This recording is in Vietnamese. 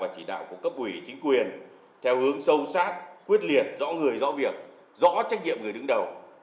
chỉ đạo của cấp ủy chính quyền theo hướng sâu sát quyết liệt rõ người rõ việc rõ trách nhiệm người đứng đầu